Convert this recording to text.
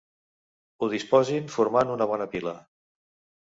Ho disposin formant una bona pila.